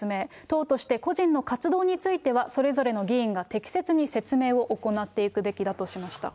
党として、個人の活動については、それぞれの議員が適切に説明を行っていくべきだとしました。